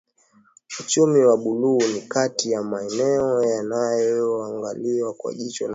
Uchumi wa buluu ni kati ya maeneo yanayoangaliwa kwa jicho la kipekee